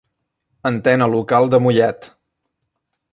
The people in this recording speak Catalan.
Antena Local de Mollet.